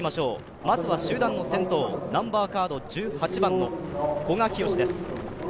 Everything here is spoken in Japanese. まずは集団の先頭、ナンバーカード１８番の古賀淳紫です。